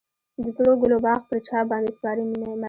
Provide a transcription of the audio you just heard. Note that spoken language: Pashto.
د ژړو ګلو باغ پر چا باندې سپارې مینه.